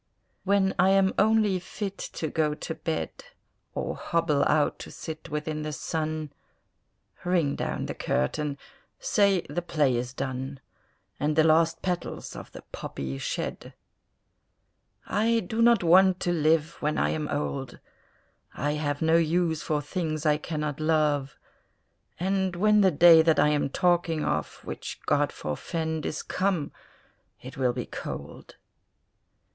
When I am only fit to go to bed, Or hobble out to sit within the sun, Ring down the curtain, say the play is done, And the last petals of the poppy shed! I do not want to live when I am old, I have no use for things I cannot love; And when the day that I am talking of (Which God forfend!) is come, it will be cold.